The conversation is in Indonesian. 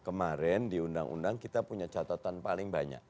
kemarin di undang undang kita punya catatan paling banyak